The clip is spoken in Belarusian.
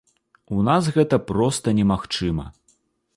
У нас гэта проста немагчыма.